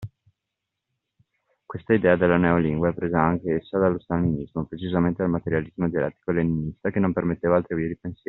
Questa idea della Neolingua è presa anche essa dallo Stalinismo precisamente dal materialismo dialettico leninista che non permetteva altre vie di pensiero.